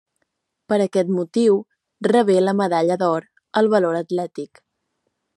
Per aquest motiu rebé la Medalla d'Or al Valor Atlètic.